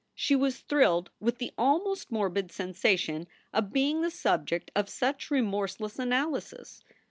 She was thrilled with the almost morbid sensation of being the subject of such remorseless analysis.